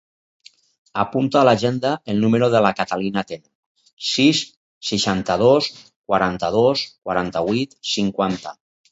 Apunta a l'agenda el número de la Catalina Tena: sis, seixanta-dos, quaranta-dos, quaranta-vuit, cinquanta.